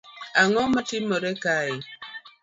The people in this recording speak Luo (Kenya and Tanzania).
Ango matimore kae